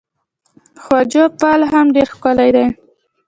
خواجو پل هم ډیر ښکلی دی.